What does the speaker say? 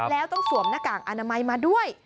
แล้วต้องสวมหน้ากากอนามัยมาด้วย